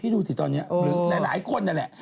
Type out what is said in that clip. พี่ดูสิตอนนี้หลายคนนั่นแหละ